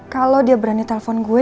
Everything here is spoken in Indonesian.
kalau dia berani telpon gue